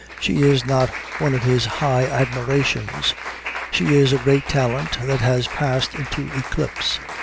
She is not one of his high admirations. She is a great talent that has passed into eclipse.